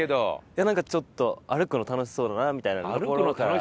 いやなんかちょっと歩くの楽しそうだなみたいなところから。